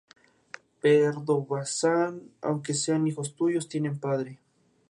Pardo Bazán, aunque sean hijos suyos, tienen padre.